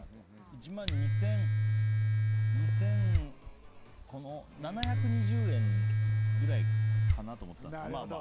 １万２７２０円くらいかなと思ったんです。